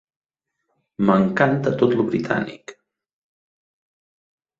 M"encanta tot lo britànic.